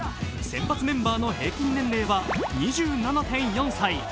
先発メンバーの平均年齢は２７．４歳。